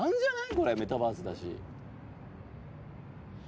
これメタバースだし」